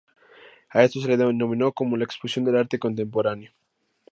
A esto se le denominó como la "Exposición del arte contemporáneo".